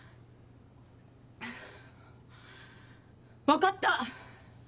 分かった！